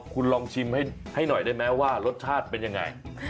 คุณลองชิมให้หน่อยได้ไหมว่ารสชาติเป็นยังไง